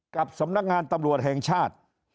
กับสำนักงานตำรวจแห่งชาติ